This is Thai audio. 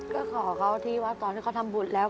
ก็ขอเขาที่ว่าตอนที่เขาทำบุตรแล้ว